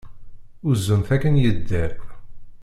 Uzun-t akken yedder.